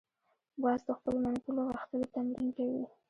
باز د خپلو منګولو غښتلي تمرین کوي